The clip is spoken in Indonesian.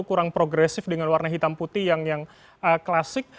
kurang progresif dengan warna hitam putih yang klasik